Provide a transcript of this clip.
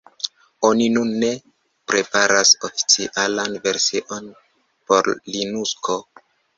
Oni nun ne preparas oficialan version por Linukso.